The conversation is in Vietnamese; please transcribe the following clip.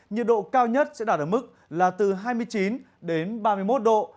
nhiệt độ cao nhất sẽ đạt ở mức là từ hai mươi chín đến ba mươi một độ